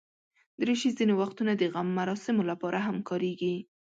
دریشي ځینې وختونه د غم مراسمو لپاره هم کارېږي.